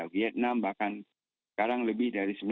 vietnam bahkan sekarang lebih dari sembilan belas gigawatt